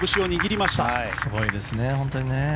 すごいですね、本当に。